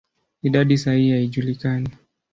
Idadi sahihi haijulikani.